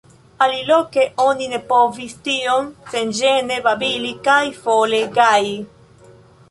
Aliloke ni ne povis tiom senĝene babili kaj fole gaji.